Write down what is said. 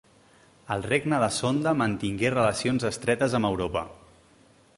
El regne de Sonda mantingué relacions estretes amb Europa.